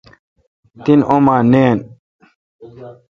تین اوما ناین۔